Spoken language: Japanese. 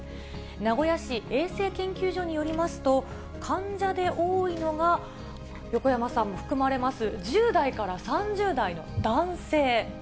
名古屋市衛生研究所によりますと、患者で多いのが、横山さんも含まれます、１０代から３０代の男性。